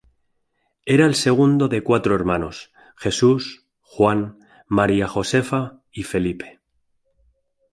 Era el segundo de cuatro hermanos: Jesús, Juan, María Josefa y Felipe.